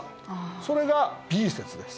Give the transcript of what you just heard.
それがＢ説です。